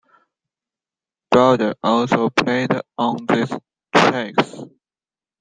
Bolder also played on these tracks.